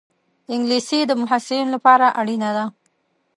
انګلیسي د محصلینو لپاره اړینه ده